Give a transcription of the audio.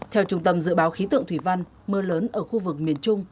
theo trung tâm dự báo khí tượng thủy văn mưa lớn ở khu vực miền trung